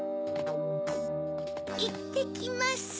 いってきます。